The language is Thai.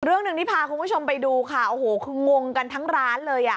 เรื่องหนึ่งที่พาคุณผู้ชมไปดูค่ะโอ้โหคืองงกันทั้งร้านเลยอ่ะ